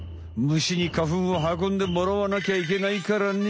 虫に花粉を運んでもらわなきゃいけないからね。